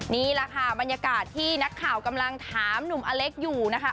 นี่แหละค่ะบรรยากาศที่นักข่าวกำลังถามหนุ่มอเล็กอยู่นะคะ